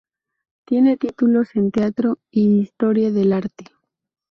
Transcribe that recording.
Tiene títulos en teatro y historia del arte.